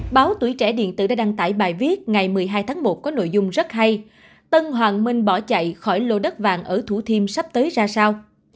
báo tuổi trẻ điện tử đã đăng tải bài viết ngày một mươi hai tháng một có nội dung rất hay tân hoàng minh bỏ chạy khỏi lô đất vàng ở thủ thiêm sắp tới ra sao